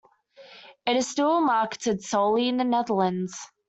It is still marketed solely in the Netherlands.